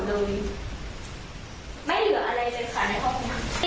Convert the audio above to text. โดยไม่เหลืออะไรเลยค่ะในห้องนี้